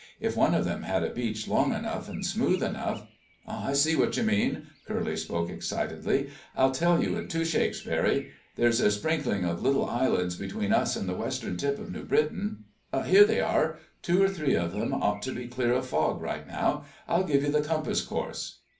If one of them had a beach long enough and smooth enough—" "I see what you mean," Curly spoke excitedly. "I'll tell you in two shakes, Barry. There's a sprinkling of little islands between us and the western tip of New Britain.... Here they are! Two or three of them ought to be clear of fog right now. I'll give you the compass course...."